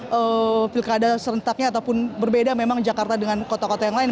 pada pilkada serentaknya ataupun berbeda memang jakarta dengan kota kota yang lain